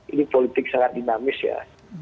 ini politik sangat dinamis ya